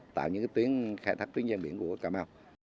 tạo những tuyến khai thác tuyến gian biển của cà mau